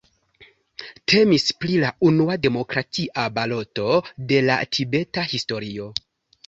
Temis pri la unua demokratia baloto de la tibeta historio.